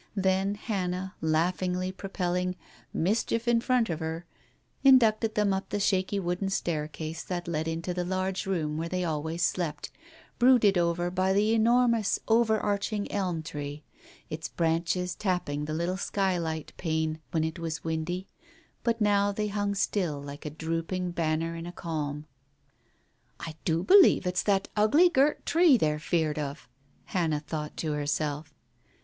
Then Hannah, laughingly propelling "mischief in front of her," inducted them up the shaky wooden staircase that led into the large room where they always slept, brooded over by the enormous over arching elm tree. Its branches tapped the little skylight pane when it was windy, but now they hung still like a drooping banner in a calm. "I do believe it's that ugly, girt tree they're feared of !" Hannah thought to herself.